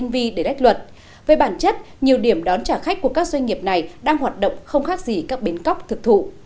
về bản chất nhiều điểm đón trả khách của các doanh nghiệp này đang hoạt động không khác gì các bến cóc thực thụ